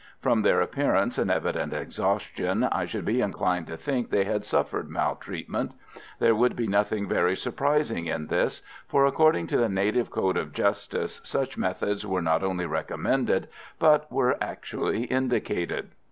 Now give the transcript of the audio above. From their appearance and evident exhaustion I should be inclined to think they had suffered maltreatment. There would be nothing very surprising in this, for according to the native code of justice such methods were not only recommended, but were actually indicated.